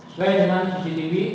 sesuai dengan cctv